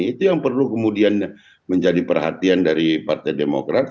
itu yang perlu kemudian menjadi perhatian dari partai demokrat